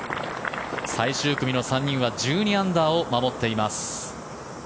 最終組の３人は１２アンダーを守っています。